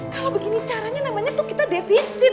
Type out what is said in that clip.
kalau begini caranya namanya tuh kita defisit